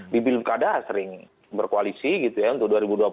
di bilkada sering berkoalisi gitu ya untuk dua ribu dua puluh empat